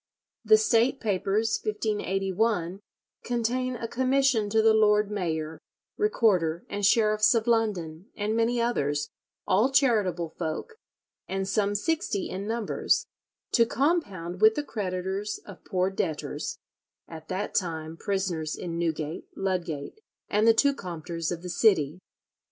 The State Papers, 1581, contain a commission to the lord mayor, recorder, and sheriffs of London, and many others, all charitable folk, and some sixty in numbers, to compound with the creditors of poor debtors, at that time prisoners in Newgate, Ludgate, and the two Compters of the city.